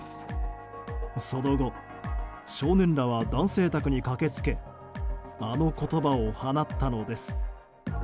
その後、少年らは男性宅に駆け付けあの言葉を放ったのです。